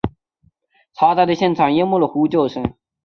嘈杂的现场淹没了呼救声。